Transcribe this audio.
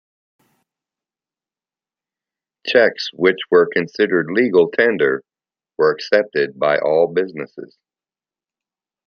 Cheques, which were considered legal tender, were accepted by all businesses.